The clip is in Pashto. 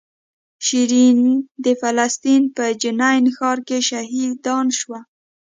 شیرین د فلسطین په جنین ښار کې شهیدان شوه.